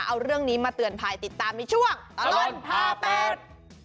เอาเรื่องนี้มาเตือนภัยติดตามในช่วงตลอดพาเป็ด